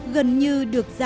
gần như được giảm